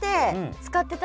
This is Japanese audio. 使ってたね。